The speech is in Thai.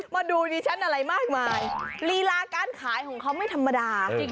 มาดูดิฉันอะไรมากมายลีลาการขายของเขาไม่ธรรมดาจริง